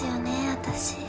私。